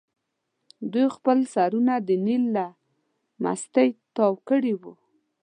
دوی خپل سرونه د نیل له مستۍ تاو کړي دي.